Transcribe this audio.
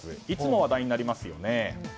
いつも話題になりますよね。